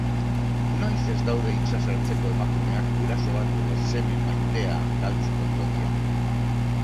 Noiz ez daude itsasertzetako emakumeak guraso bat edo seme maitea galtzeko zorian?